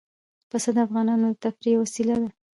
پسه د افغانانو د تفریح یوه وسیله ده.